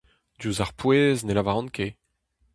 Diouzh ar pouez ne lavaran ket !